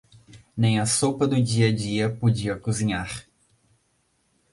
Nem a sopa do dia-a-dia podia cozinhar.